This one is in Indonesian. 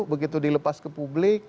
begitu dilepas ke publik